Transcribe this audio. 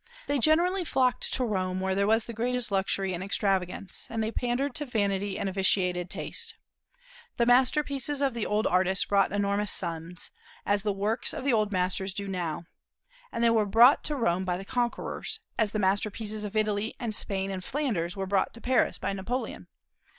They generally flocked to Rome, where there was the greatest luxury and extravagance, and they, pandered to vanity and a vitiated taste. The masterpieces of the old artists brought enormous sums, as the works of the old masters do now; and they were brought to Rome by the conquerors, as the masterpieces of Italy and Spain and Flanders were brought to Paris by Napoleon.